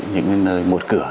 những nơi một cửa